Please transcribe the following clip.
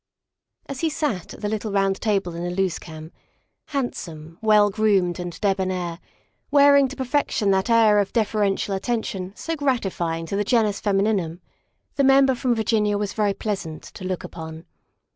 As he sat at the little round table in the Losekam, THE SECRETARY OF STATE 189 handsome, well groomed, and debonair, wearing to per fection that air of deferential attention so gratifying to the genus femininum, the Member from Virginia was very pleasant to look upon.